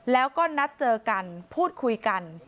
แล้วก็นัดเจอกันพูดคุยกัน